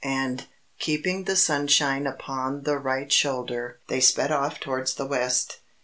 And Keeping the Sunshine Upon the right shoulder they sped off towards the West.